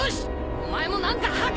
お前も何か吐け！